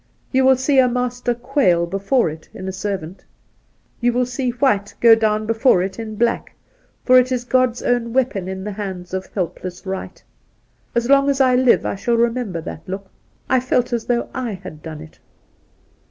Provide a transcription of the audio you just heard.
You will see a master quail before it in a servant. You will see White go down before it in Black ; for it is God's own weapon in the hands of helpless right. As long as I live I shall remember that look. I felt as though / had done it